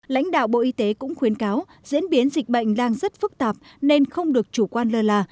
lãnh đạo bộ y tế cũng khuyến cáo diễn biến dịch bệnh đang rất phức tạp nên không được chủ quan lơ là